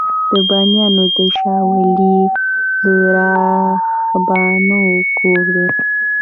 د بامیانو شاولې د راهبانو کور و